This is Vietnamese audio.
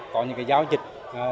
có những cái giao dịch